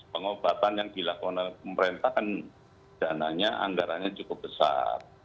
pengobatan yang dilakukan oleh pemerintah kan dananya anggarannya cukup besar